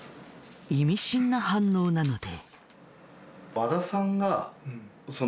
意味深な反応なので。